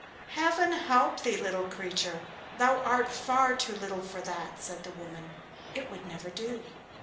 'Heaven help thee, little creature! thou art far too little for that,' said the woman; 'it would never do.